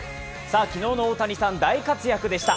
昨日の大谷さん大活躍でした。